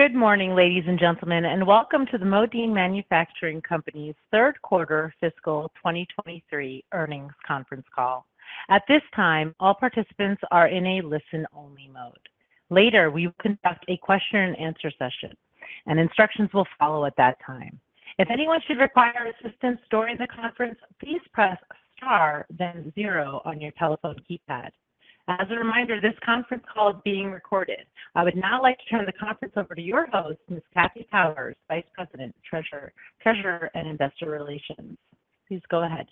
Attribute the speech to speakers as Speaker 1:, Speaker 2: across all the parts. Speaker 1: Good morning, ladies and gentlemen, and welcome to the Modine Manufacturing Company's Third Quarter Fiscal 2023 Earnings Conference Call. At this time, all participants are in a listen-only mode. Later, we will conduct a question-and-answer session, and instructions will follow at that time. If anyone should require assistance during the conference, please press star then zero on your telephone keypad. As a reminder, this conference call is being recorded. I would now like to turn the conference over to your host, Ms. Kathy Powers, Vice President, Treasurer and Investor Relations. Please go ahead.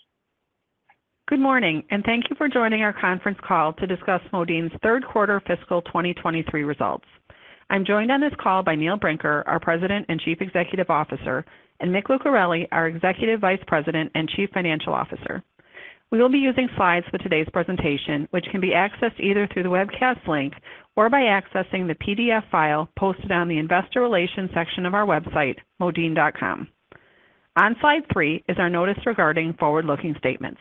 Speaker 2: Good morning, and thank you for joining our conference call to discuss Modine's third quarter fiscal 2023 results. I'm joined on this call by Neil Brinker, our President and Chief Executive Officer, and Mick Lucarelli, our Executive Vice President and Chief Financial Officer. We will be using slides for today's presentation, which can be accessed either through the webcast link or by accessing the PDF file posted on the Investor Relations section of our website, modine.com. On slide three is our notice regarding forward-looking statements.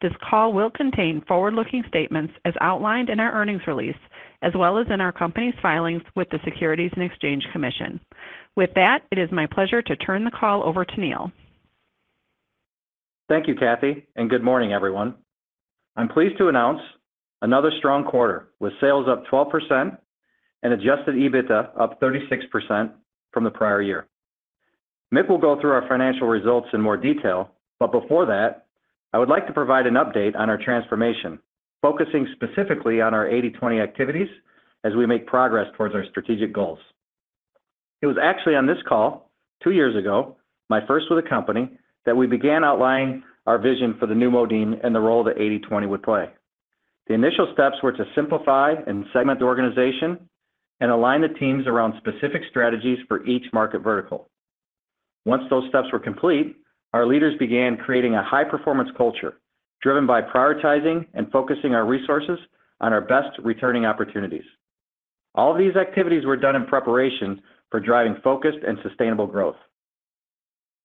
Speaker 2: This call will contain forward-looking statements as outlined in our earnings release, as well as in our company's filings with the Securities and Exchange Commission. With that, it is my pleasure to turn the call over to Neil.
Speaker 3: Thank you, Kathy. Good morning, everyone. I'm pleased to announce another strong quarter with sales up 12% and adjusted EBITDA up 36% from the prior year. Mick will go through our financial results in more detail. Before that, I would like to provide an update on our transformation, focusing specifically on our 80/20 activities as we make progress towards our strategic goals. It was actually on this call two years ago, my first with the company, that we began outlining our vision for the new Modine and the role that 80/20 would play. The initial steps were to simplify and segment the organization and align the teams around specific strategies for each market vertical. Once those steps were complete, our leaders began creating a high-performance culture driven by prioritizing and focusing our resources on our best returning opportunities. All of these activities were done in preparation for driving focused and sustainable growth.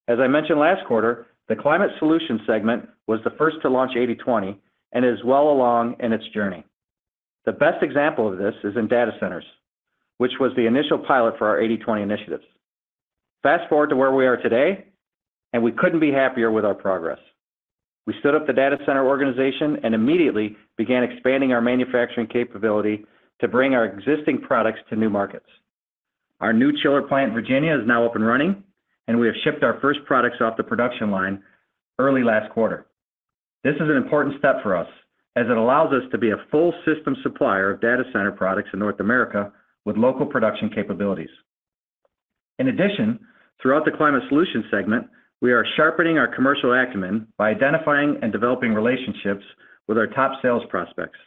Speaker 3: As I mentioned last quarter, the Climate Solutions segment was the first to launch 80/20 and is well along in its journey. The best example of this is in data centers, which was the initial pilot for our 80/20 initiatives. Fast forward to where we are today. We couldn't be happier with our progress. We stood up the data center organization and immediately began expanding our manufacturing capability to bring our existing products to new markets. Our new chiller plant in Virginia is now up and running. We have shipped our first products off the production line early last quarter. This is an important step for us as it allows us to be a full system supplier of data center products in North America with local production capabilities. In addition, throughout the Climate Solutions segment, we are sharpening our commercial acumen by identifying and developing relationships with our top sales prospects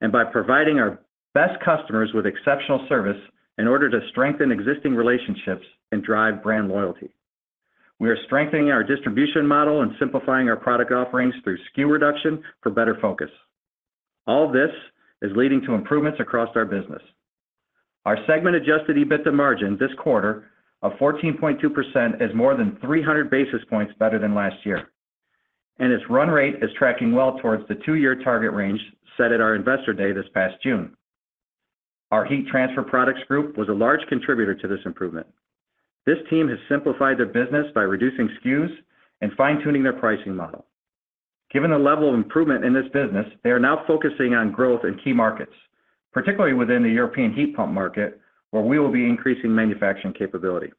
Speaker 3: and by providing our best customers with exceptional service in order to strengthen existing relationships and drive brand loyalty. We are strengthening our distribution model and simplifying our product offerings through SKU reduction for better focus. This is leading to improvements across our business. Our segment-adjusted EBITDA margin this quarter of 14.2% is more than 300 basis points better than last year. Its run rate is tracking well towards the two-year target range set at our Investor Day this past June. Our Heat Transfer Products group was a large contributor to this improvement. This team has simplified their business by reducing SKUs and fine-tuning their pricing model. Given the level of improvement in this business, they are now focusing on growth in key markets, particularly within the European heat pump market, where we will be increasing manufacturing capability.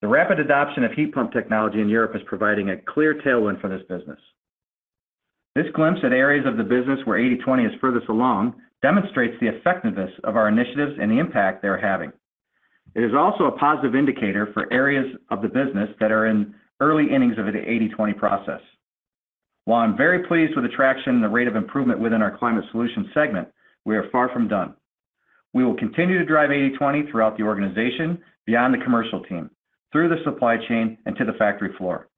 Speaker 3: The rapid adoption of heat pump technology in Europe is providing a clear tailwind for this business. This glimpse at areas of the business where 80/20 is furthest along demonstrates the effectiveness of our initiatives and the impact they are having. It is also a positive indicator for areas of the business that are in early innings of the 80/20 process. While I'm very pleased with the traction and the rate of improvement within our Climate Solutions segment, we are far from done. We will continue to drive 80/20 throughout the organization beyond the commercial team, through the supply chain, and to the factory floor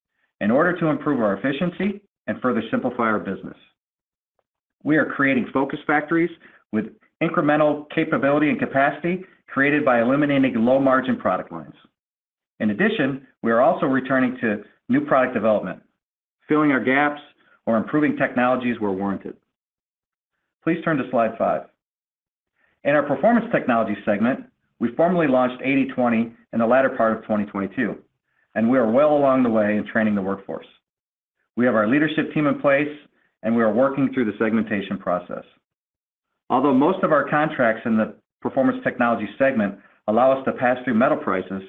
Speaker 3: in order to improve our efficiency and further simplify our business. We are creating focus factories with incremental capability and capacity created by eliminating low-margin product lines. We are also returning to new product development, filling our gaps or improving technologies where warranted. Please turn to slide five. In our Performance Technologies segment, we formally launched 80/20 in the latter part of 2022, and we are well along the way in training the workforce. We have our leadership team in place, and we are working through the segmentation process. Although most of our contracts in the Performance Technologies segment allow us to pass through metal prices,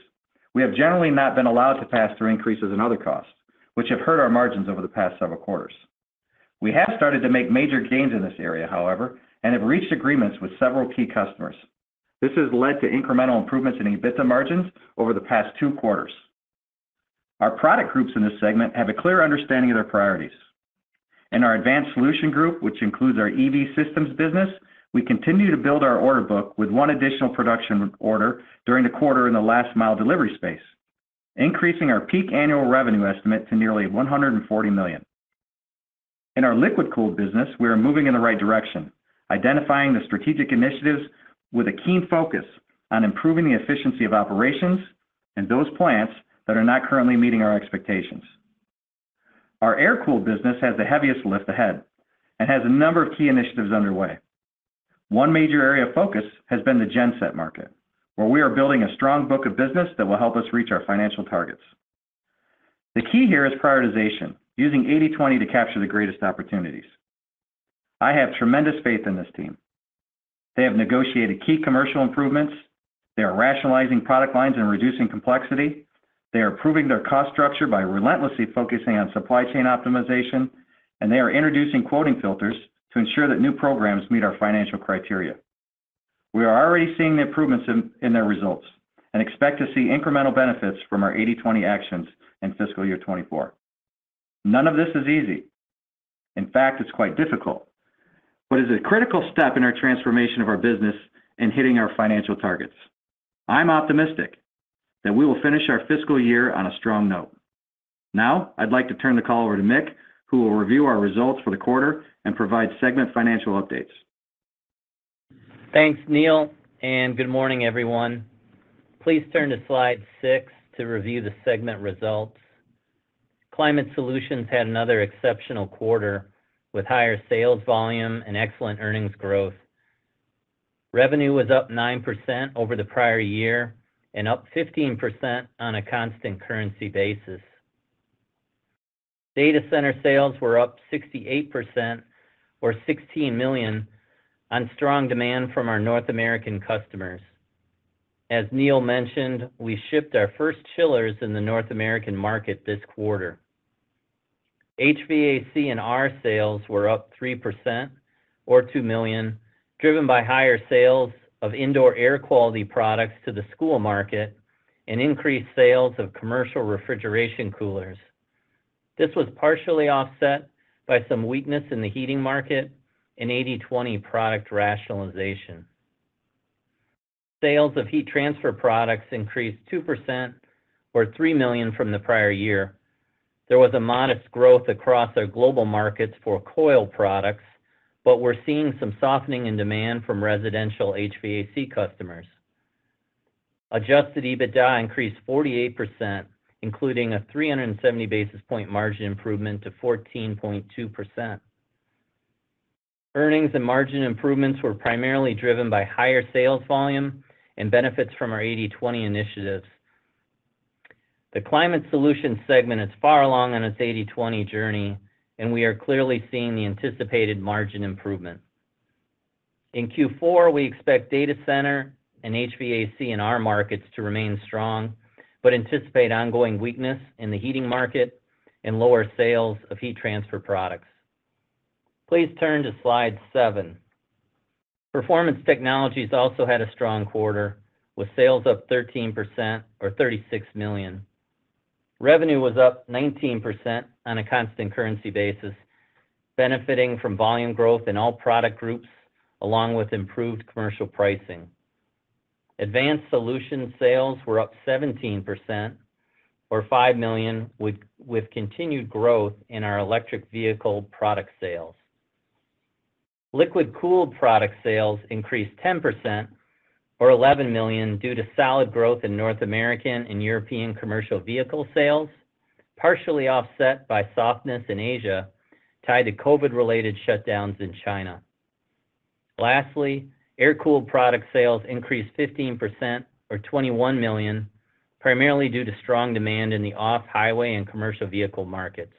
Speaker 3: we have generally not been allowed to pass through increases in other costs, which have hurt our margins over the past several quarters. We have started to make major gains in this area, however, and have reached agreements with several key customers. This has led to incremental improvements in EBITDA margins over the past two quarters. Our product groups in this segment have a clear understanding of their priorities. In our Advanced Solutions Group, which includes our EV systems business, we continue to build our order book with one additional production order during the quarter in the last mile delivery space, increasing our peak annual revenue estimate to nearly $140 million. In our liquid cooled business, we are moving in the right direction, identifying the strategic initiatives with a keen focus on improving the efficiency of operations and those plants that are not currently meeting our expectations. Our air-cooled business has the heaviest lift ahead and has a number of key initiatives underway. One major area of focus has been the genset market, where we are building a strong book of business that will help us reach our financial targets. The key here is prioritization, using 80/20 to capture the greatest opportunities. I have tremendous faith in this team. They have negotiated key commercial improvements. They are rationalizing product lines and reducing complexity. They are improving their cost structure by relentlessly focusing on supply chain optimization, and they are introducing quoting filters to ensure that new programs meet our financial criteria. We are already seeing the improvements in their results and expect to see incremental benefits from our 80/20 actions in fiscal year 2024. None of this is easy. In fact, it's quite difficult, but it's a critical step in our transformation of our business in hitting our financial targets. I'm optimistic that we will finish our fiscal year on a strong note. I'd like to turn the call over to Mick, who will review our results for the quarter and provide segment financial updates.
Speaker 4: Thanks, Neil, good morning, everyone. Please turn to slide six to review the segment results. Climate Solutions had another exceptional quarter with higher sales volume and excellent earnings growth. Revenue was up 9% over the prior year and up 15% on a constant currency basis. Data center sales were up 68% or $16 million on strong demand from our North American customers. As Neil mentioned, we shipped our first chillers in the North American market this quarter. HVAC&R sales were up 3% or $2 million, driven by higher sales of indoor air quality products to the school market and increased sales of commercial refrigeration coolers. This was partially offset by some weakness in the heating market and 80/20 product rationalization. Sales of Heat Transfer Products increased 2% or $3 million from the prior year. There was a modest growth across our global markets for coil products, but we're seeing some softening in demand from residential HVAC customers. Adjusted EBITDA increased 48%, including a 370 basis point margin improvement to 14.2%. Earnings and margin improvements were primarily driven by higher sales volume and benefits from our 80/20 initiatives. The Climate Solutions segment is far along on its 80/20 journey, and we are clearly seeing the anticipated margin improvement. In Q4, we expect data center and HVAC&R in our markets to remain strong, but anticipate ongoing weakness in the heating market and lower sales of Heat Transfer Products. Please turn to slide seven. Performance Technologies also had a strong quarter with sales up 13% or $36 million. Revenue was up 19% on a constant currency basis, benefiting from volume growth in all product groups along with improved commercial pricing. Advanced Solutions sales were up 17% or $5 million with continued growth in our electric vehicle product sales. Liquid cooled product sales increased 10% or $11 million due to solid growth in North American and European commercial vehicle sales, partially offset by softness in Asia tied to COVID-related shutdowns in China. Lastly, air-cooled product sales increased 15% or $21 million, primarily due to strong demand in the off-highway and commercial vehicle markets.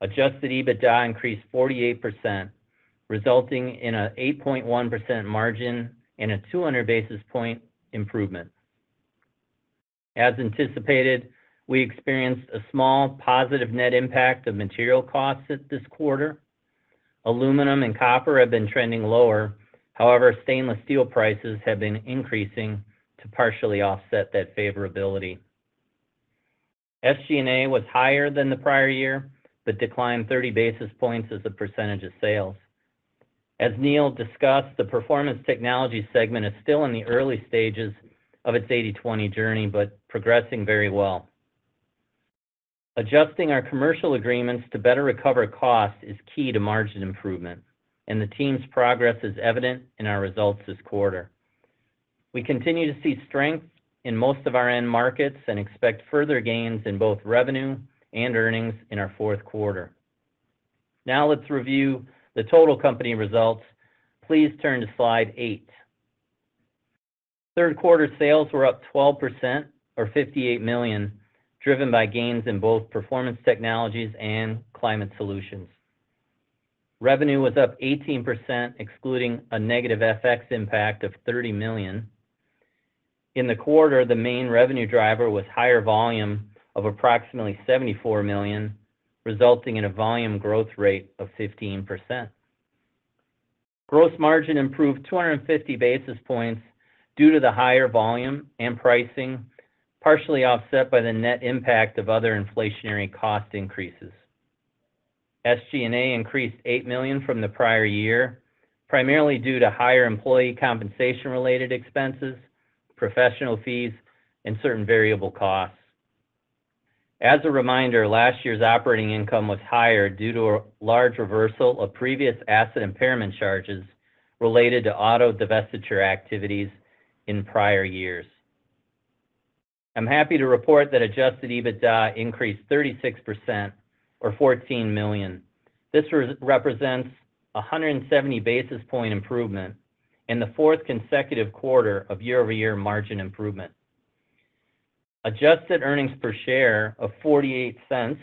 Speaker 4: Adjusted EBITDA increased 48%, resulting in an 8.1% margin and a 200 basis point improvement. As anticipated, we experienced a small positive net impact of material costs this quarter. Aluminum and copper have been trending lower. Stainless steel prices have been increasing to partially offset that favorability. SG&A was higher than the prior year, but declined 30 basis points as a percentage of sales. As Neil discussed, the Performance Technologies segment is still in the early stages of its 80/20 journey, but progressing very well. Adjusting our commercial agreements to better recover costs is key to margin improvement, and the team's progress is evident in our results this quarter. We continue to see strength in most of our end markets and expect further gains in both revenue and earnings in our fourth quarter. Let's review the total company results. Please turn to slide eight. Third quarter sales were up 12% or $58 million, driven by gains in both Performance Technologies and Climate Solutions. Revenue was up 18%, excluding a negative FX impact of $30 million. In the quarter, the main revenue driver was higher volume of approximately $74 million, resulting in a volume growth rate of 15%. Gross margin improved 250 basis points due to the higher volume and pricing, partially offset by the net impact of other inflationary cost increases. SG&A increased $8 million from the prior year, primarily due to higher employee compensation-related expenses, professional fees, and certain variable costs. As a reminder, last year's operating income was higher due to a large reversal of previous asset impairment charges related to auto divestiture activities in prior years. I'm happy to report that adjusted EBITDA increased 36% or $14 million. This re-represents a 170 basis point improvement in the fourth consecutive quarter of year-over-year margin improvement. Adjusted earnings per share of $0.48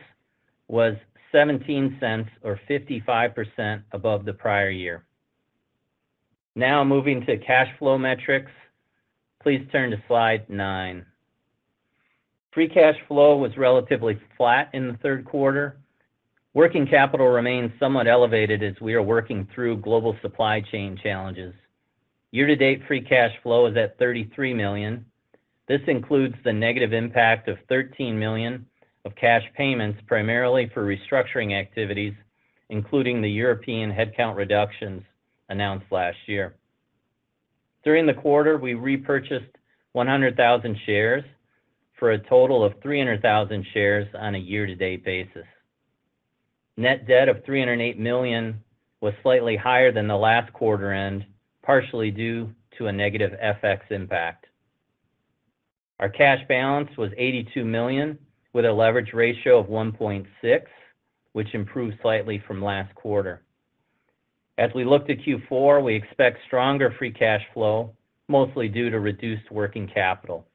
Speaker 4: was $0.17 or 55% above the prior year. Moving to cash flow metrics. Please turn to slide nine. Free cash flow was relatively flat in the third quarter. Working capital remains somewhat elevated as we are working through global supply chain challenges. Year-to-date, free cash flow is at $33 million. This includes the negative impact of $13 million of cash payments, primarily for restructuring activities, including the European headcount reductions announced last year. During the quarter, we repurchased 100,000 shares for a total of 300,000 shares on a year-to-date basis. Net debt of $308 million was slightly higher than the last quarter end, partially due to a negative FX impact. Our cash balance was $82 million with a leverage ratio of 1.6, which improved slightly from last quarter. As we look to Q4, we expect stronger free cash flow, mostly due to reduced working capital.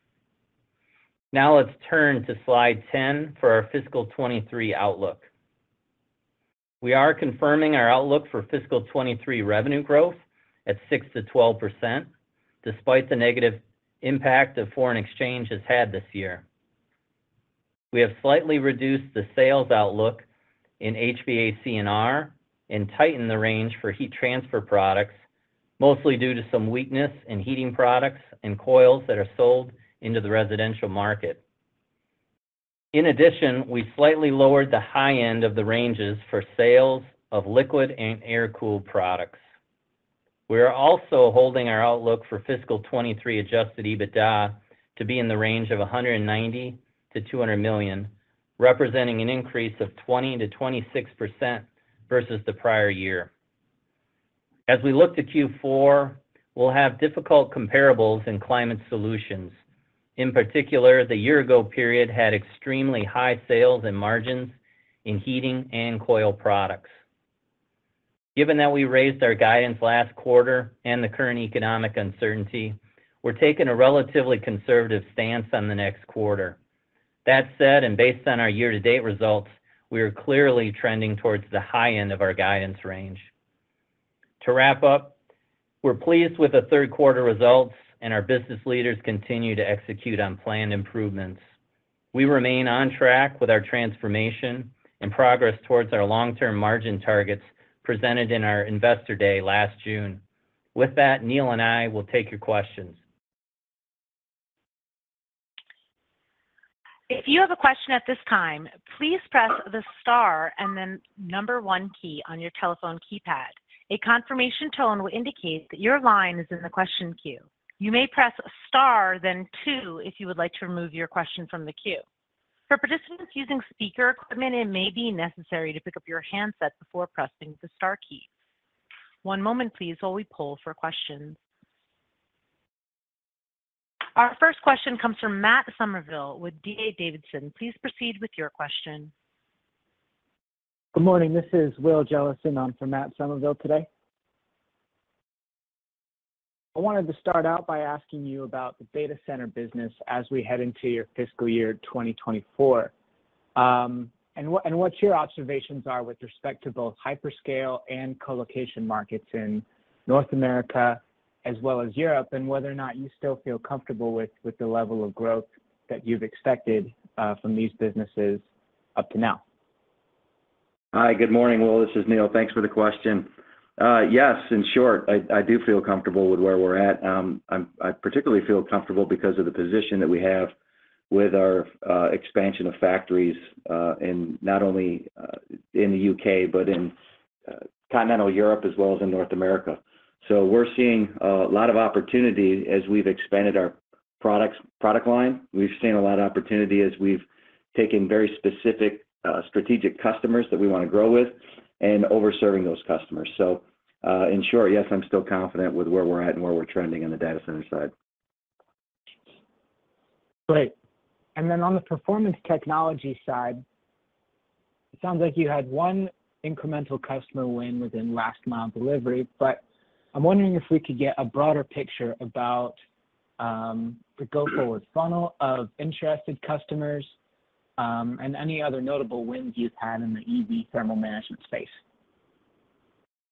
Speaker 4: Let's turn to slide 10 for our fiscal 2023 outlook. We are confirming our outlook for fiscal 2023 revenue growth at 6%-12% despite the negative impact of foreign exchange has had this year. We have slightly reduced the sales outlook in HVAC&R and tightened the range for Heat Transfer Products, mostly due to some weakness in heating products and coils that are sold into the residential market. We slightly lowered the high end of the ranges for sales of liquid and air-cooled products. We are also holding our outlook for fiscal 2023 adjusted EBITDA to be in the range of $190 million-$200 million, representing an increase of 20%-26% versus the prior year. We look to Q4, we'll have difficult comparables in Climate Solutions. In particular, the year ago period had extremely high sales and margins in heating and coil products. Given that we raised our guidance last quarter and the current economic uncertainty, we're taking a relatively conservative stance on the next quarter. That said, and based on our year-to-date results, we are clearly trending towards the high end of our guidance range. To wrap up, we're pleased with the third quarter results and our business leaders continue to execute on planned improvements. We remain on track with our transformation and progress towards our long-term margin targets presented in our Investor Day last June. With that, Neil and I will take your questions.
Speaker 1: If you have a question at this time, please press the star and then number one key on your telephone keypad. A confirmation tone will indicate that your line is in the question queue. You may press star, then two if you would like to remove your question from the queue. For participants using speaker equipment, it may be necessary to pick up your handset before pressing the star key. One moment please while we poll for questions. Our first question comes from Matt Summerville with D.A. Davidson. Please proceed with your question.
Speaker 5: Good morning. This is Will Jellison on for Matt Summerville today. I wanted to start out by asking you about the data center business as we head into your fiscal year 2024. and what your observations are with respect to both hyperscale and colocation markets in North America as well as Europe, and whether or not you still feel comfortable with the level of growth that you've expected from these businesses up to now?
Speaker 3: Hi. Good morning, Will. This is Neil. Thanks for the question. Yes, in short, I do feel comfortable with where we're at. I particularly feel comfortable because of the position that we have with our expansion of factories in not only in the U.K., but in Continental Europe as well as in North America. We're seeing a lot of opportunity as we've expanded our product line. We've seen a lot of opportunity as we've taken very specific strategic customers that we want to grow with and over-serving those customers. In short, yes, I'm still confident with where we're at and where we're trending in the data center side.
Speaker 5: Great. On the Performance Technologies side, it sounds like you had one incremental customer win within last mile delivery, but I'm wondering if we could get a broader picture about the go-forward funnel of interested customers and any other notable wins you've had in the EV thermal management space.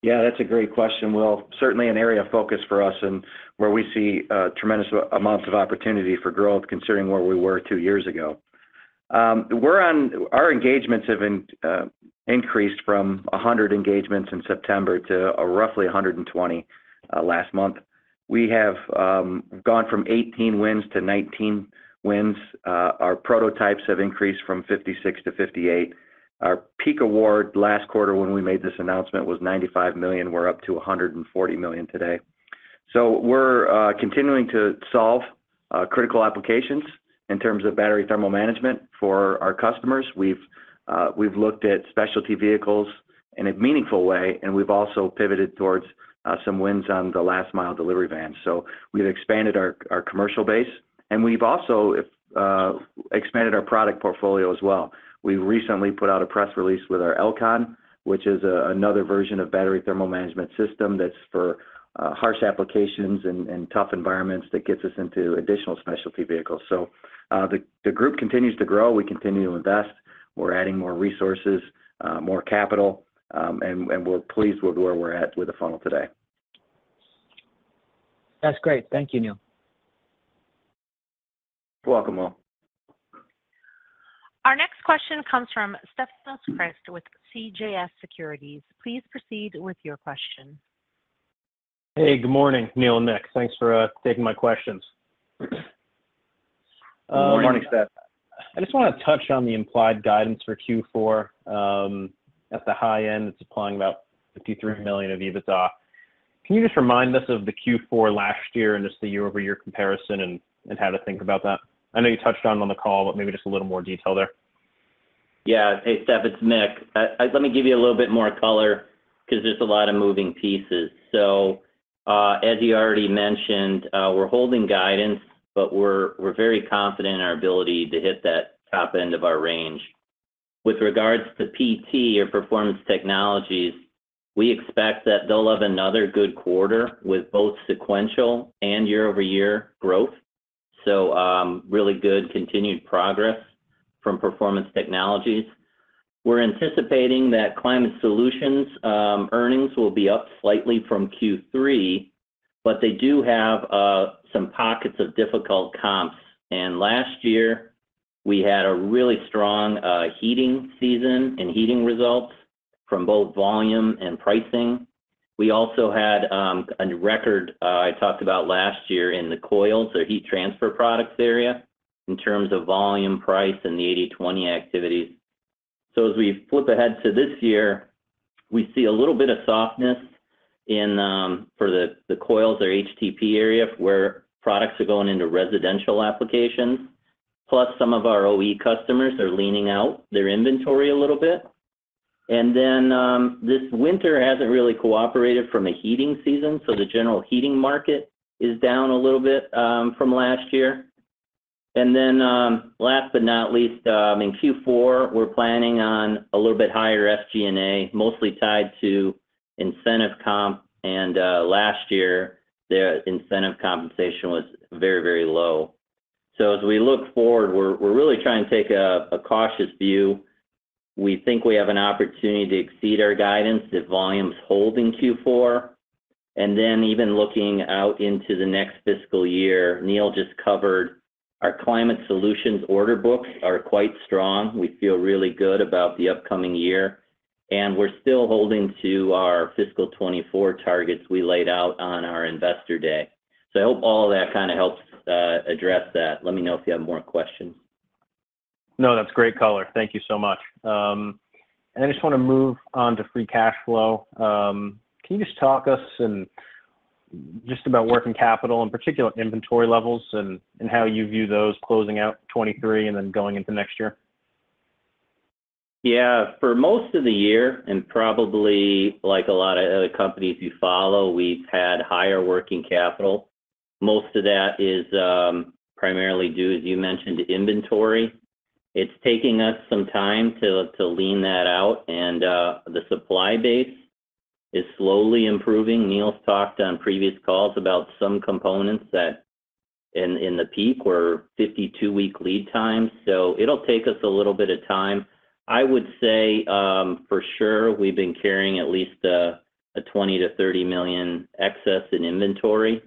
Speaker 3: Yeah, that's a great question, Will. Certainly an area of focus for us and where we see a tremendous amount of opportunity for growth considering where we were two years ago. Our engagements have increased from 100 engagements in September to roughly 120 last month. We have gone from 18 wins to 19 wins. Our prototypes have increased from 56%-58%. Our peak award last quarter when we made this announcement was $95 million. We're up to $140 million today. We're continuing to solve critical applications in terms of battery thermal management for our customers. We've looked at specialty vehicles In a meaningful way, we've also pivoted towards some wins on the last mile delivery vans. We've expanded our commercial base, and we've also expanded our product portfolio as well. We recently put out a press release with our L-CON, which is another version of battery thermal management system that's for harsh applications and tough environments that gets us into additional specialty vehicles. The group continues to grow. We continue to invest. We're adding more resources, more capital, and we're pleased with where we're at with the funnel today.
Speaker 5: That's great. Thank you, Neil.
Speaker 3: You're welcome, Will.
Speaker 1: Our next question comes from Stefanos Crist with CJS Securities. Please proceed with your question.
Speaker 6: Hey, good morning, Neil and Mick. Thanks for taking my questions.
Speaker 3: Good morning.
Speaker 4: Good morning, Stef.
Speaker 6: I just want to touch on the implied guidance for Q4. At the high end, it's implying about $53 million of EBITDA. Can you just remind us of the Q4 last year and just the year-over-year comparison and how to think about that? I know you touched on it on the call, but maybe just a little more detail there.
Speaker 4: Yeah. Hey, Stef, it's Mick. Let me give you a little bit more color because there's a lot of moving pieces. As you already mentioned, we're holding guidance, but we're very confident in our ability to hit that top end of our range. With regards to PT or Performance Technologies, we expect that they'll have another good quarter with both sequential and year-over-year growth, really good continued progress from Performance Technologies. We're anticipating that Climate Solutions' earnings will be up slightly from Q3, they do have some pockets of difficult comps. Last year, we had a really strong heating season and heating results from both volume and pricing. We also had a record I talked about last year in the coils, so Heat Transfer Products area, in terms of volume price in the 80/20 activities. As we flip ahead to this year, we see a little bit of softness in for the coils, our HTP area, where products are going into residential applications. Plus, some of our OE customers are leaning out their inventory a little bit. This winter hasn't really cooperated from a heating season, so the general heating market is down a little bit from last year. Last but not least, in Q4, we're planning on a little bit higher SG&A, mostly tied to incentive comp and last year their incentive compensation was very, very low. As we look forward, we're really trying to take a cautious view. We think we have an opportunity to exceed our guidance if volume's hold in Q4. Even looking out into the next fiscal year, Neil just covered our Climate Solutions order books are quite strong. We feel really good about the upcoming year, and we're still holding to our fiscal 2024 targets we laid out on our Investor Day. I hope all of that kind of helps address that. Let me know if you have more questions.
Speaker 6: No, that's great color. Thank you so much. I just want to move on to free cash flow. Can you just talk us about working capital, in particular inventory levels and how you view those closing out 2023 and then going into next year?
Speaker 4: Yeah. For most of the year, probably like a lot of other companies you follow, we've had higher working capital. Most of that is primarily due, as you mentioned, to inventory. It's taking us some time to lean that out and the supply base is slowly improving. Neil's talked on previous calls about some components that in the peak were 52-week lead times, so it'll take us a little bit of time. I would say, for sure we've been carrying at least a $20 million-$30 million excess in inventory,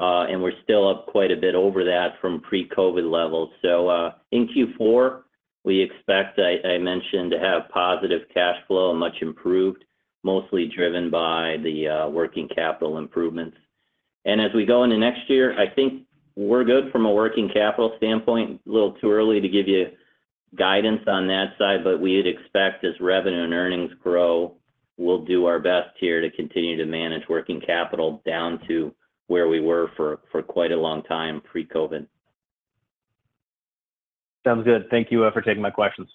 Speaker 4: and we're still up quite a bit over that from pre-COVID levels. In Q4, we expect, I mentioned, to have positive cash flow much improved, mostly driven by the working capital improvements. As we go into next year, I think we're good from a working capital standpoint. A little too early to give you guidance on that side, but we'd expect as revenue and earnings grow, we'll do our best here to continue to manage working capital down to where we were for quite a long time pre-COVID.
Speaker 6: Sounds good. Thank you, for taking my questions.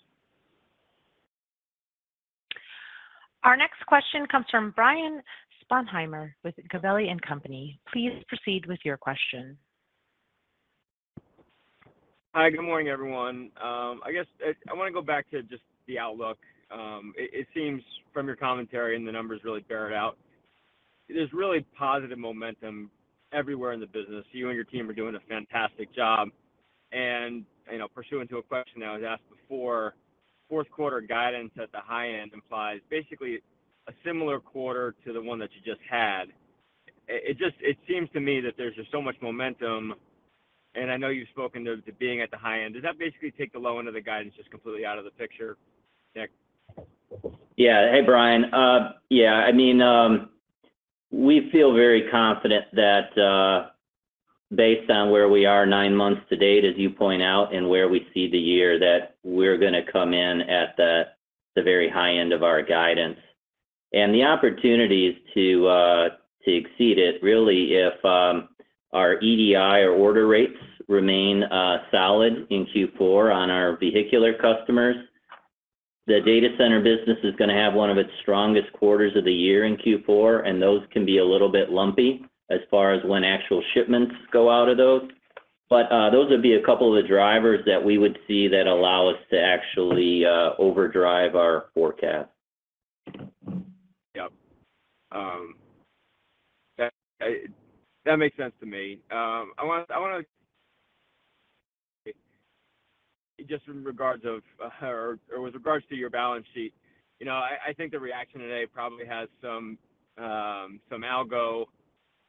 Speaker 1: Our next question comes from Brian Sponheimer with Gabelli & Company. Please proceed with your question.
Speaker 7: Hi. Good morning, everyone. I guess I want to go back to just the outlook. It seems from your commentary, and the numbers really bear it out, there's really positive momentum everywhere in the business. You and your team are doing a fantastic job. You know, pursuant to a question that was asked before, fourth quarter guidance at the high end implies basically a similar quarter to the one that you just had. It seems to me that there's just so much momentum, and I know you've spoken to being at the high end. Does that basically take the low end of the guidance just completely out of the picture, Mick?
Speaker 3: Yeah. Hey, Brian. Yeah, I mean, we feel very confident that based on where we are nine months to date, as you point out, and where we see the year, that we're going to come in at the very high end of our guidance. The opportunities to exceed it, really if Our EDI or order rates remain solid in Q4 on our vehicular customers. The data center business is going to have one of its strongest quarters of the year in Q4, and those can be a little bit lumpy as far as when actual shipments go out of those. Those would be a couple of the drivers that we would see that allow us to actually overdrive our forecast.
Speaker 7: Yes. That makes sense to me. I want. Just in regards of, or with regards to your balance sheet, you know, I think the reaction today probably has some algo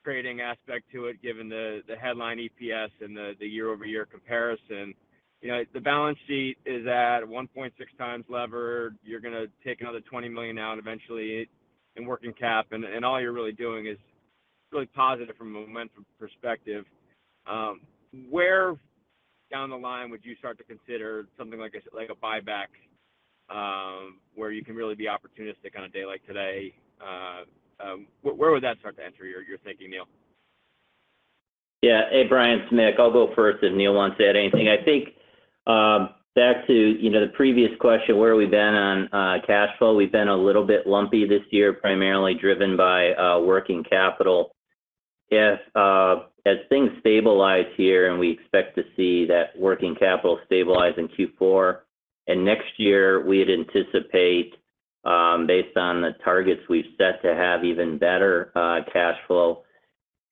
Speaker 7: creating aspect to it given the headline EPS and the year-over-year comparison. You know, the balance sheet is at 1.6x lever. You're going to take another $20 million out eventually in working cap and all you're really doing is really positive from a momentum perspective. Where down the line would you start to consider something like a buyback, where you can really be opportunistic on a day like today? Where would that start to enter your thinking, Neil?
Speaker 4: Yeah. Hey, Brian. It's Mick. I'll go first if Neil wants to add anything. I think, back to, you know, the previous question, where have we been on cash flow. We've been a little bit lumpy this year, primarily driven by working capital. If as things stabilize here and we expect to see that working capital stabilize in Q4, and next year we'd anticipate, based on the targets we've set to have even better cash flow.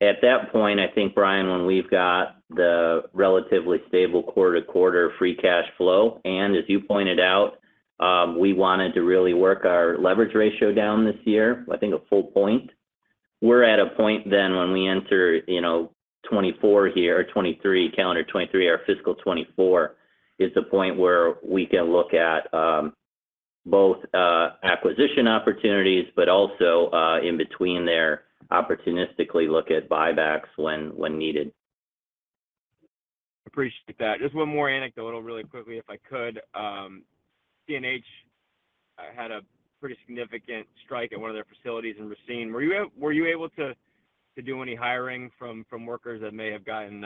Speaker 4: At that point, I think, Brian, when we've got the relatively stable quarter-to-quarter free cash flow, and as you pointed out, we wanted to really work our leverage ratio down this year, I think a full point. We're at a point then when we enter, you know, 2024 here, 2023, calendar 2023, our fiscal 2024, is the point where we can look at both acquisition opportunities, but also in between there opportunistically look at buybacks when needed.
Speaker 7: Appreciate that. Just one more anecdotal really quickly if I could. [CNH had a pretty significant strike at one of their facilities in Racine. Were you able to do any hiring from workers that may have gotten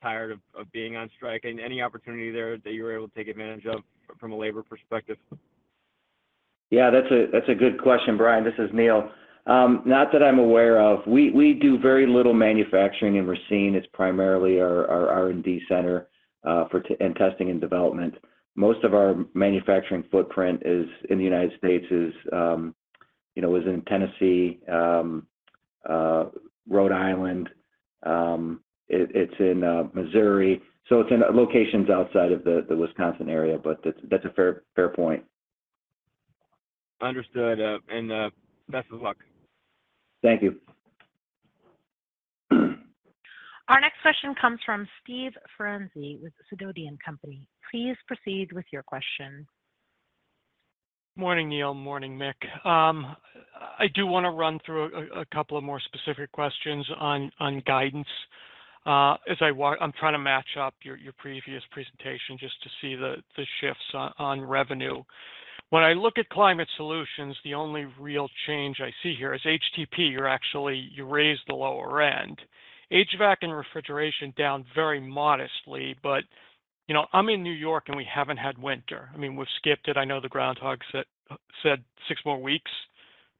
Speaker 7: tired of being on strike? Any opportunity there that you were able to take advantage of from a labor perspective?
Speaker 3: That's a good question, Brian. This is Neil. Not that I'm aware of. We do very little manufacturing in Racine. It's primarily our R&D center for testing and development. Most of our manufacturing footprint in the United States is, you know, in Tennessee, Rhode Island. It's in Missouri. It's in locations outside of the Wisconsin area. That's a fair point.
Speaker 7: Understood. Best of luck.
Speaker 3: Thank you.
Speaker 1: Our next question comes from Steve Ferazani with Sidoti & Company. Please proceed with your question.
Speaker 8: Morning, Neil. Morning, Mick. I do want to run through a couple of more specific questions on guidance. As I'm trying to match up your previous presentation just to see the shifts on revenue. When I look at Climate Solutions, the only real change I see here is HTP. You actually raised the lower end. HVAC and refrigeration down very modestly, but, you know, I'm in New York, and we haven't had winter. I mean, we've skipped it. I know the groundhogs said six more weeks,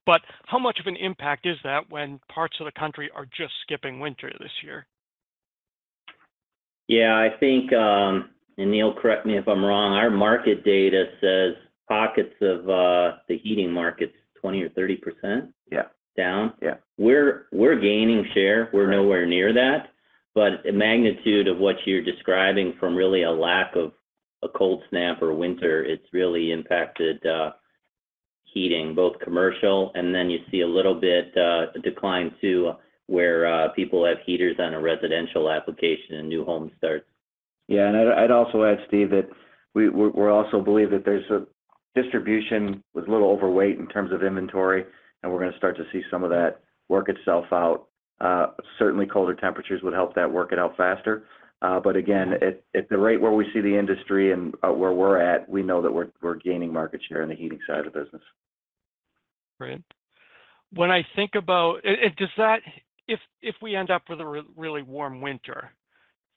Speaker 8: but how much of an impact is that when parts of the country are just skipping winter this year?
Speaker 4: Yeah. I think, and Neil, correct me if I'm wrong, our market data says pockets of, the heating market's 20% or 30%.
Speaker 3: Yeah...
Speaker 4: down.
Speaker 3: Yeah.
Speaker 4: We're gaining share. We're nowhere near that. The magnitude of what you're describing from really a lack of a cold snap or winter, it's really impacted heating, both commercial and then you see a little bit decline too where people have heaters on a residential application and new home starts.
Speaker 3: Yeah. I'd also add, Steve, that we're also believe that there's a distribution with a little overweight in terms of inventory, and we're going to start to see some of that work itself out. Certainly colder temperatures would help that work it out faster. Again, at the rate where we see the industry and where we're at, we know that we're gaining market share in the heating side of the business.
Speaker 8: Great. If we end up with a really warm winter,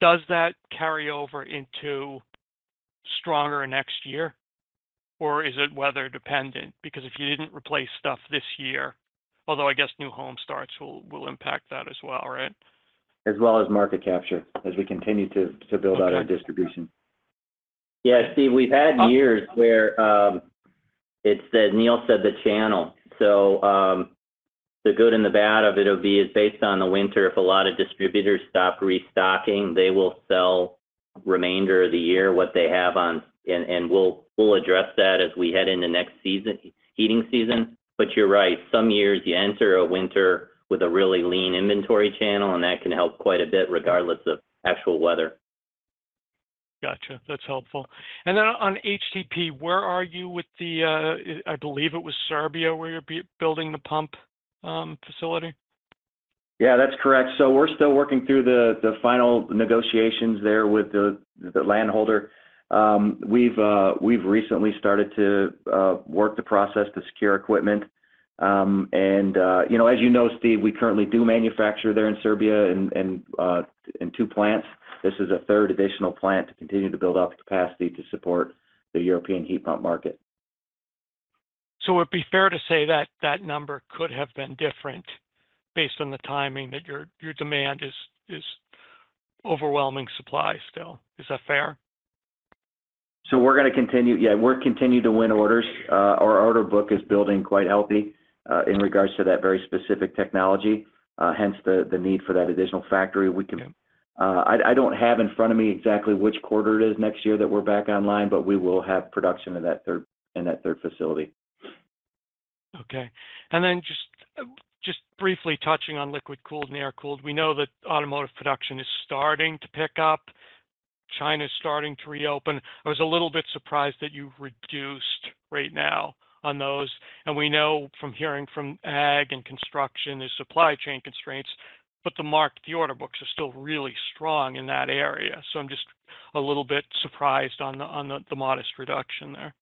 Speaker 8: does that carry over into stronger next year? Is it weather dependent? If you didn't replace stuff this year... I guess new home starts will impact that as well, right?
Speaker 3: As well as market capture as we continue to build out our distribution.
Speaker 4: Yeah. Steve, we've had years where, it's as Neil said, the channel. So, the good and the bad of it will be is based on the winter. If a lot of distributors stop restocking, they will sell remainder of the year what they have on. We'll address that as we head into next season, heating season. You're right. Some years you enter a winter with a really lean inventory channel, and that can help quite a bit regardless of actual weather.
Speaker 8: Got you. That's helpful. Then on HTP, where are you with the, I believe it was Serbia where you're building the pump facility?
Speaker 3: Yeah, that's correct. We're still working through the final negotiations there with the land holder. We've recently started to work the process to secure equipment, and, you know, as you know, Steve, we currently do manufacture there in Serbia and two plants. This is a third additional plant to continue to build out the capacity to support the European heat pump market.
Speaker 8: Would it be fair to say that that number could have been different based on the timing that your demand is overwhelming supply still? Is that fair?
Speaker 3: Yeah, we're continuing to win orders. Our order book is building quite healthy in regards to that very specific technology, hence the need for that additional factory.
Speaker 8: Mm-hmm.
Speaker 3: I don't have in front of me exactly which quarter it is next year that we're back online, but we will have production in that third facility.
Speaker 8: Just briefly touching on liquid cooled and air cooled, we know that automotive production is starting to pick up. China's starting to reopen. I was a little bit surprised that you've reduced right now on those. We know from hearing from ag and construction, there's supply chain constraints, but the order books are still really strong in that area. I'm just a little bit surprised on the, on the modest reduction there.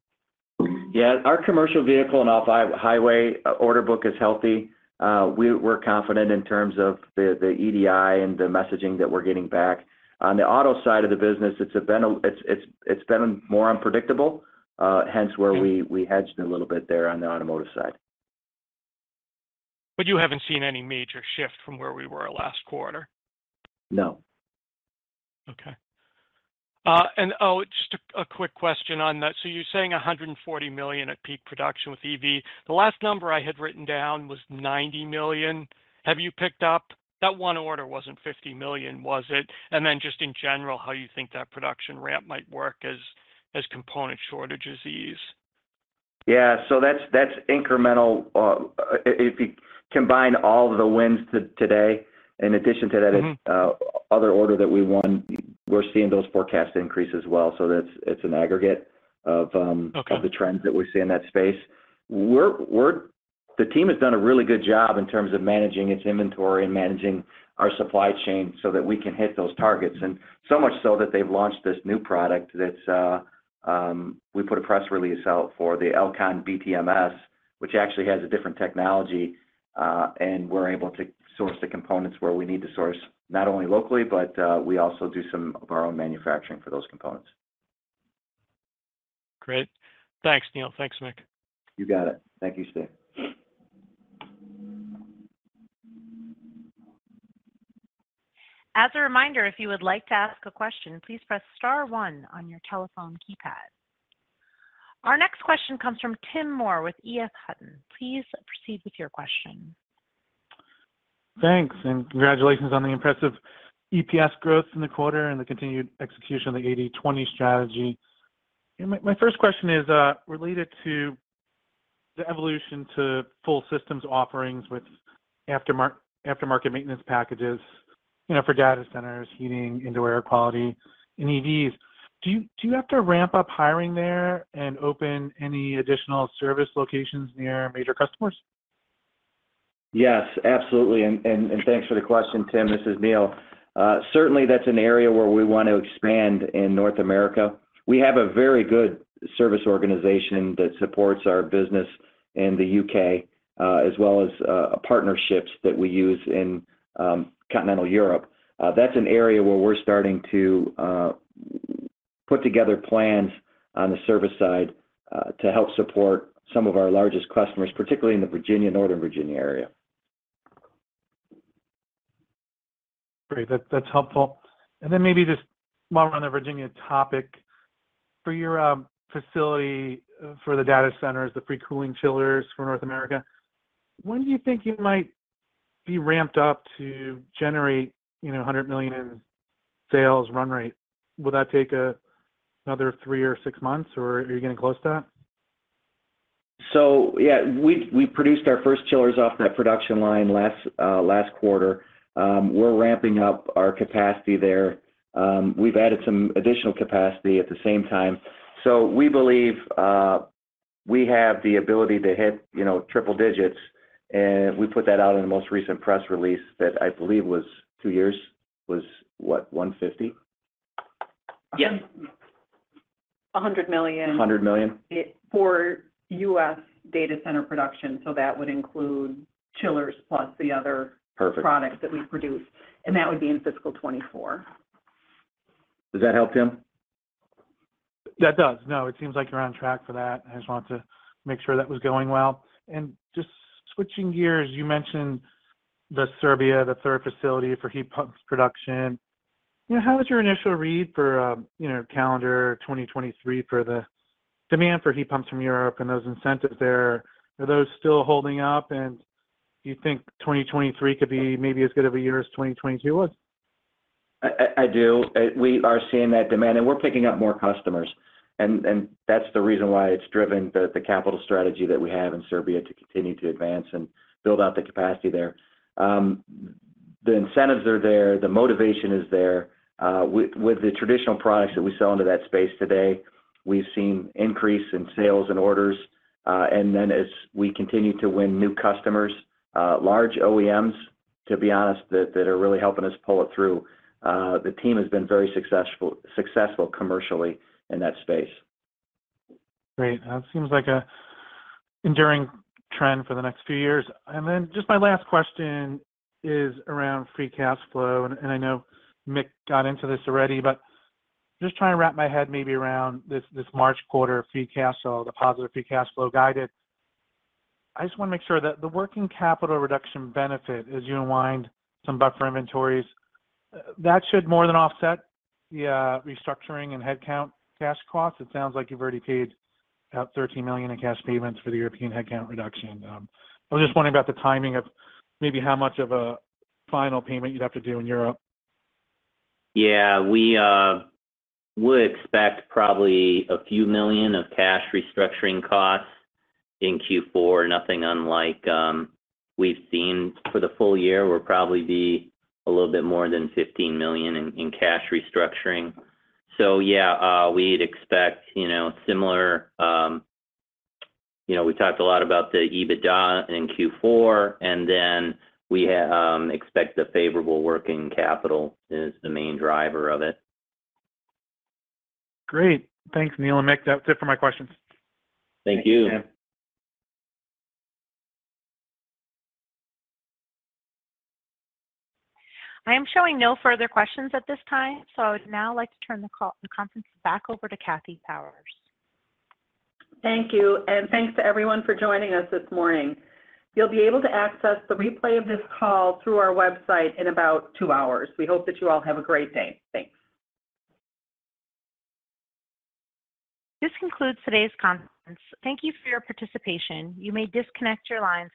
Speaker 4: Yeah. Our commercial vehicle and off-highway order book is healthy. We're confident in terms of the EDI and the messaging that we're getting back. On the auto side of the business, it's been more unpredictable, hence where we-
Speaker 8: Okay...
Speaker 4: we hedged a little bit there on the automotive side.
Speaker 8: You haven't seen any major shift from where we were last quarter?
Speaker 4: No.
Speaker 8: Okay. Just a quick question on that. You're saying $140 million at peak production with EV. The last number I had written down was $90 million. Have you picked up? That one order wasn't $50 million, was it? Then just in general, how you think that production ramp might work as component shortages ease.
Speaker 4: Yeah. that's incremental. if you combine all of the wins today in addition to that.
Speaker 8: Mm-hmm...
Speaker 4: other order that we won, we're seeing those forecasts increase as well. That's. It's an aggregate of.
Speaker 8: Okay...
Speaker 4: the trends that we see in that space. The team has done a really good job in terms of managing its inventory and managing our supply chain so that we can hit those targets. So much so that they've launched this new product that we put a press release out for, the L-CON BTMS, which actually has a different technology, and we're able to source the components where we need to source, not only locally, but we also do some of our own manufacturing for those components.
Speaker 8: Great. Thanks, Neil. Thanks, Mick.
Speaker 3: You got it. Thank you, Steve.
Speaker 1: As a reminder, if you would like to ask a question, please press star one on your telephone keypad. Our next question comes from Tim Moore with EF Hutton. Please proceed with your question.
Speaker 9: Thanks, and congratulations on the impressive EPS growth in the quarter and the continued execution of the 80/20 strategy. My first question is related to the evolution to full systems offerings with aftermarket maintenance packages, you know, for data centers, heating, indoor air quality in EVs. Do you have to ramp up hiring there and open any additional service locations near major customers?
Speaker 3: Yes, absolutely. Thanks for the question, Tim. This is Neil. Certainly that's an area where we want to expand in North America. We have a very good service organization that supports our business in the U.K., as well as partnerships that we use in Continental Europe. That's an area where we're starting to put together plans on the service side to help support some of our largest customers, particularly in the Virginia, Northern Virginia area.
Speaker 9: Great. That's helpful. Maybe just while we're on the Virginia topic, for your facility for the data centers, the free cooling chillers for North America, when do you think you might be ramped up to generate, you know, $100 million in sales run rate? Will that take another three or six months, or are you getting close to that?
Speaker 3: Yeah, we produced our first chillers off that production line last quarter. We're ramping up our capacity there. We've added some additional capacity at the same time. We believe we have the ability to hit, you know, triple digits, and we put that out in the most recent press release that I believe was two years, was what? $150 million?
Speaker 2: Yeah. $100 million.
Speaker 3: $100 million?
Speaker 2: For U.S. data center production, so that would include chillers plus the other.
Speaker 3: Perfect...
Speaker 2: products that we produce. That would be in fiscal 2024.
Speaker 3: Does that help, Tim?
Speaker 9: That does. No, it seems like you're on track for that. I just wanted to make sure that was going well. Just switching gears, you mentioned the Serbia, the third facility for heat pumps production. You know, how is your initial read for, you know, calendar 2023 for the demand for heat pumps from Europe and those incentives there? Are those still holding up, and do you think 2023 could be maybe as good of a year as 2022 was?
Speaker 3: I do. We are seeing that demand, and we're picking up more customers. That's the reason why it's driven the capital strategy that we have in Serbia to continue to advance and build out the capacity there. The incentives are there. The motivation is there. With the traditional products that we sell into that space today, we've seen increase in sales and orders. As we continue to win new customers, large OEMs, to be honest, that are really helping us pull it through. The team has been very successful commercially in that space.
Speaker 9: Great. That seems like an enduring trend for the next few years. Just my last question is around free cash flow. I know Mick got into this already, but just trying to wrap my head maybe around this March quarter free cash flow, the positive free cash flow guided. I just want to make sure that the working capital reduction benefit, as you unwind some buffer inventories, that should more than offset the restructuring and headcount cash costs. It sounds like you've already paid out $13 million in cash payments for the European headcount reduction. I was just wondering about the timing of maybe how much of a final payment you'd have to do in Europe?
Speaker 4: Yeah. We would expect probably a few million of cash restructuring costs in Q4, nothing unlike we've seen for the full year. We'll probably be a little bit more than $15 million in cash restructuring. Yeah, we'd expect, you know, similar. You know, we talked a lot about the EBITDA in Q4, and then we expect the favorable working capital as the main driver of it.
Speaker 9: Great. Thanks, Neil and Mick. That's it for my questions.
Speaker 3: Thank you.
Speaker 4: Thank you, Tim.
Speaker 1: I am showing no further questions at this time, so I would now like to turn the conference back over to Kathy Powers.
Speaker 2: Thank you. Thanks to everyone for joining us this morning. You'll be able to access the replay of this call through our website in about two hours. We hope that you all have a great day. Thanks.
Speaker 1: This concludes today's conference. Thank you for your participation. You may disconnect your lines.